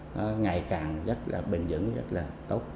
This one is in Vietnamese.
nó ngày càng rất là bình dân